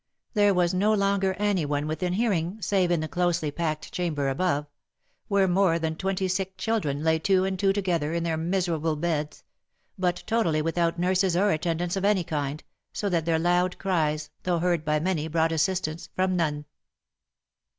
There was no longer any one within hearing save in the closely packed chamber above, where more than twenty sick children lay two and two together, in their miserable beds, but totally without nurses or attendants of any kind, so that their loud cries, though heard by many brought assistance from none.